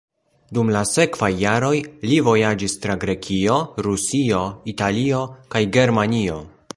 Dum la sekvaj jaroj li vojaĝis tra Grekio, Rusio, Italio kaj Germanio.